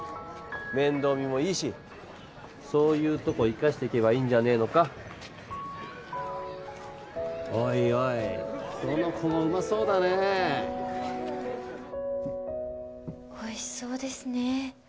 面倒見もいいしそういうとこ生かしてけばいいんじゃねえのかおいおいどの子もうまそうだねおいしそうですねえ